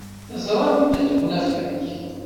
Teẓram-t deg unafag.